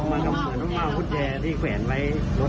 อ๋อมันก็เหมือนกับคุณแจที่แขวนไว้รถ